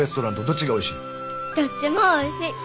どっちもおいしい。